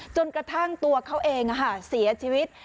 จนกระทั่งตัวเขาเองเสียชีวิต